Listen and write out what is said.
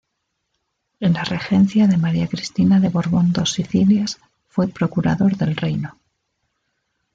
En la regencia de María Cristina de Borbón-Dos Sicilias fue Procurador del Reino.